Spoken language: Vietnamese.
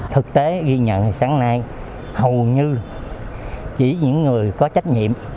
thực tế ghi nhận thì sáng nay hầu như chỉ những người có trách nhiệm